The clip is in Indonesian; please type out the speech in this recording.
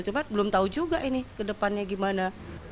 cuma belum tahu juga ini kedepannya gimana